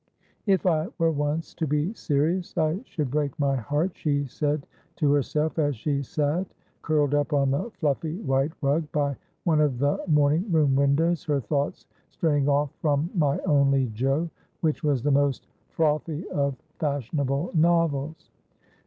' If I were once to be serious I should break my heart,' she said to herself, as she sat curled up on the flufEy white rug by one of the morning room windows, her thoughts straying off from ' My Only Jo,' which was the most frothy of fashionable novels.